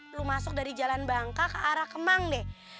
lo masuk dari jalan bangka ke arah kemang deh